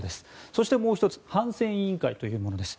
そしてもう１つ反戦委員会というものです。